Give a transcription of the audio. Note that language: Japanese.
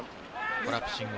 コラプシング。